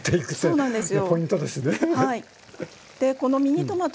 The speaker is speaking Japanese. そうなんですよ。